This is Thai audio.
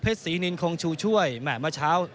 เพชรสีนินคงชูช่วยแหมดมาเช้า